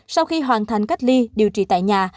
sau khi hoàn thành cách ly điều trị tại nhà